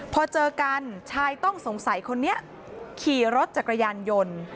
พอเจอกันชายต้องสงสัยคนนี้ขี่รถจักรยานยนต์